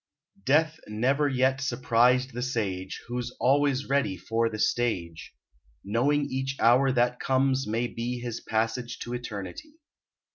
Death never yet surprised the sage, Who's always ready for the stage; Knowing each hour that comes may be His passage to eternity.